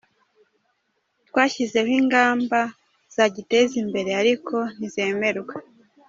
Twashyizeho ingamba zagiteza imbere ariko ntizemerwa.